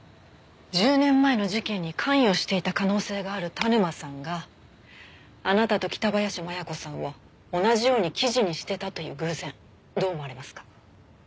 １０年前の事件に関与していた可能性がある田沼さんがあなたと北林麻弥子さんを同じように記事にしてたという偶然どう思われますか？